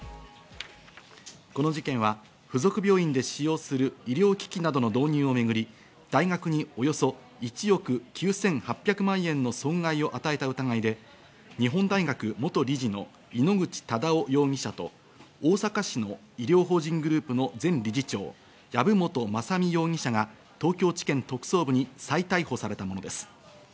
この事件は付属病院で使用する医療機器などの導入をめぐり、大学におよそ１億９８００万円の損害を与えた疑いで、日本大学元理事の井ノ口忠男容疑者と、大阪市の医療法人グループの前理事長・籔本雅巳容疑者が東京地検特捜部に再逮捕されたものです。